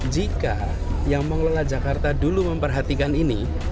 jika yang mengelola jakarta dulu memperhatikan ini